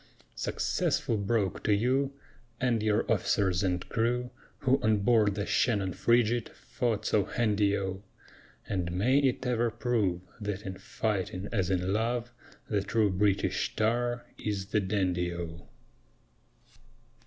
Successful Broke to you, And your officers and crew, Who on board the Shannon frigate Fought so handy O! And may it ever prove That in fighting as in love The true British tar is the dandy O!